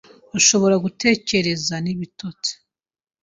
ashobora gutekereza ni ibitotsi.